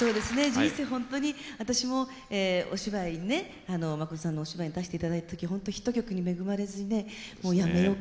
人生ほんとに私もお芝居にねまことさんのお芝居に出していただいた時ほんとヒット曲に恵まれずにねもうやめようかな？